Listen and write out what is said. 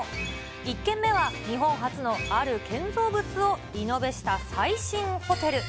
１軒目は日本初のある建造物をリノベした最新ホテル。